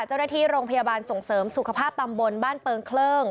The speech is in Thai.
เจ้าหน้าที่โรงพยาบาลส่งเสริมสุขภาพตำบลบ้านเปิงเคลิ่ง